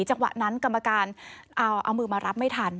จังหวะนั้นกรรมการเอามือมารับไม่ทัน